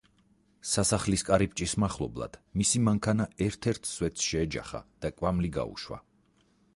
სასახლის კარიბჭის მახლობლად მისი მანქანა ერთ-ერთ სვეტს შეეჯახა და კვამლი გაუშვა.